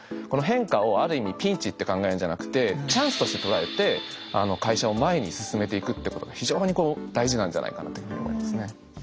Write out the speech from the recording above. この変化をある意味ピンチって考えるんじゃなくてチャンスとしてとらえて会社を前に進めていくってことが非常に大事なんじゃないかなというふうに思いますね。